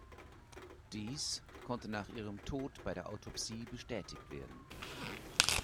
Dies konnte nach ihrem Tod bei der Autopsie bestätigt werden.